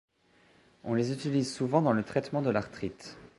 On les utilise souvent dans le traitement de l'arthrite.